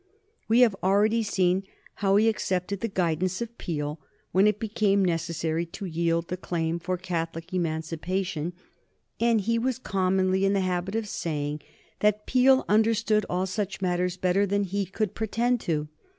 We have already seen how he accepted the guidance of Peel when it became necessary to yield the claim for Catholic Emancipation, and he was commonly in the habit of saying that Peel understood all such matters better than he could pretend to.